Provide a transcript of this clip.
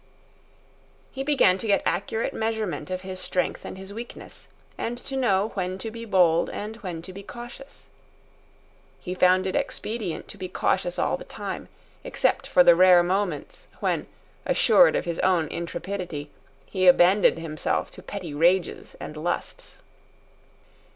He began to get accurate measurement of his strength and his weakness, and to know when to be bold and when to be cautious. He found it expedient to be cautious all the time, except for the rare moments, when, assured of his own intrepidity, he abandoned himself to petty rages and lusts.